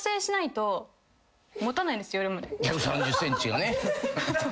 １３０ｃｍがね。